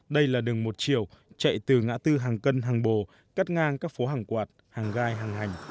đây là đường một chiều chạy từ ngã tư hàng cân hàng bồ cắt ngang các phố hàng quạt hàng gai hàng hành